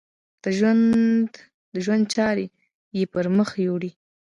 د ژوند چارې یې پر مخ یوړې.